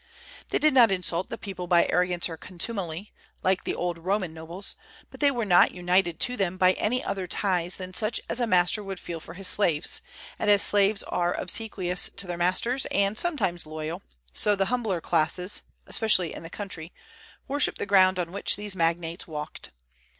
They did not insult the people by arrogance or contumely, like the old Roman nobles; but they were not united to them by any other ties than such as a master would feel for his slaves; and as slaves are obsequious to their masters, and sometimes loyal, so the humbler classes (especially in the country) worshipped the ground on which these magnates walked.